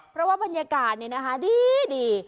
เพราะว่าบรรยากาศนี่นะคะดี